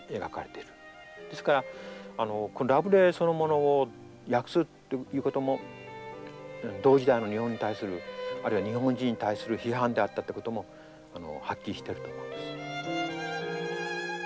ですからラブレーそのものを訳すっていうことも同時代の日本に対するあるいは日本人に対する批判であったってこともはっきりしてると思うんです。